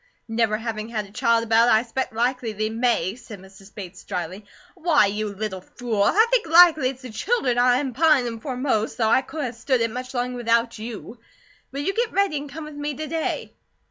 "Never having had a child about, I s'pect likely they may," said Mrs. Bates, dryly. "Why, you little fool! I think likely it's the children I am pinin' for most, though I couldn't a stood it much longer without YOU. Will you get ready and come with me to day?"